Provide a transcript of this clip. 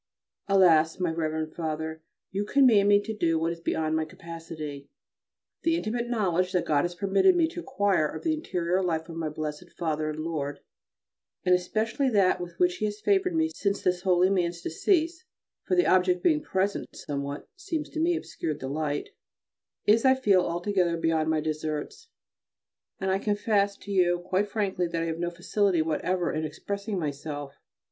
Alas! my Rev. Father, you command me to do what is beyond my capacity. The intimate knowledge that God has permitted me to acquire of the interior life of my blessed Father and Lord, and especially that with which He has favoured me since this holy man's decease (for the object being present somewhat, it seems to me, obscured the light), is, I feel, altogether beyond my deserts: and I confess to you quite frankly that I have no facility whatever in expressing myself.